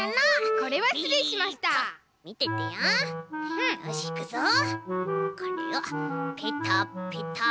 これをペタペタ。